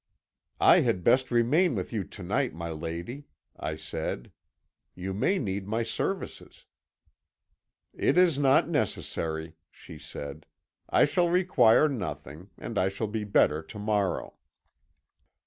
"'I had best remain with you to night, my lady,' I said; 'you may need my services.' "'It is not necessary," she said; 'I shall require nothing, and I shall be better to morrow.'